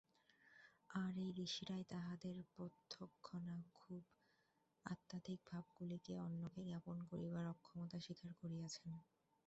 আর এই ঋষিরাই তাঁহাদের প্রত্যক্ষানুভূত আধ্যাত্মিক ভাবগুলি অন্যকে জ্ঞাপন করিবার অক্ষমতা স্বীকার করিয়াছেন।